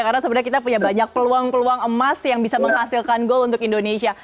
karena sebenarnya kita punya banyak peluang peluang emas yang bisa menghasilkan goal untuk indonesia